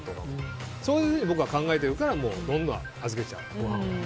そういうふうに考えてるからどんどん預けちゃう。